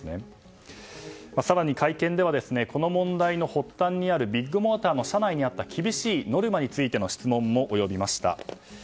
更に、会見ではこの問題の発端にあるビッグモーターの社内にあった厳しいノルマについての質問も及びました。